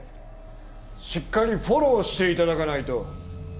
しっかりフォローして頂かないと。